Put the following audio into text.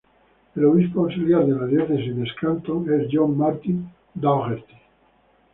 El obispo auxiliar de la Diócesis de Scranton es John Martin Dougherty.